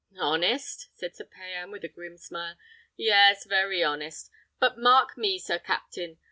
"Honest!" said Sir Payan, with a grim smile; "yes, very honest. But mark me, Sir Captain!